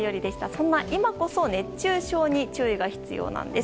そんな今こそ熱中症に注意が必要なんです。